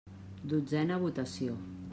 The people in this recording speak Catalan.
Dotzena votació.